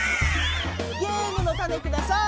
ゲームのたねください！